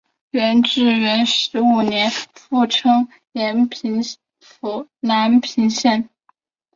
元至元十五年复称延平府南平县。